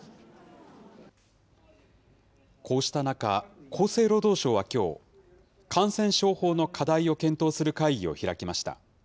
こうした中、厚生労働省はきょう、感染症法の課題を検討する会議を開きました。